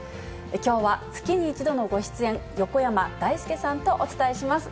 きょうは月に１度のご出演、横山だいすけさんとお伝えします。